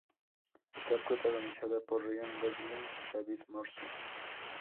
Está protagonizada por Ryan Gosling y David Morse.